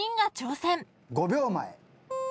５秒前。